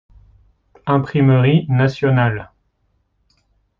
Imprimerie nationale.